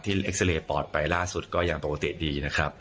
ที่เอ็กซ์เซอเรย์ปอดไปล่าสุดก็อย่างปกติดีนะครับ